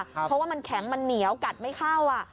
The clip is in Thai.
เพราะว่ามันแข็งมันเหนียวกัดไม่เข้า